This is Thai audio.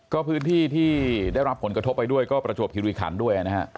ก็พื้นที่ที่ได้รับผลกระทบไปด้วยก็ประจวบคิริขันด้วยนะฮะ